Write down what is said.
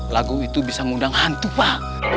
lagu itu bisa mengundang hantu pak